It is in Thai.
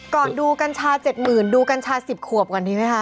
ก่อนดูกัญชาเจ็ดหมื่นดูกัญชาสิบขวบก่อนดีไหมคะ